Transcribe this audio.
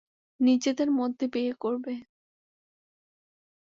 নিজেদের মধ্যে বিয়ে করবে।